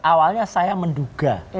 awalnya saya menduga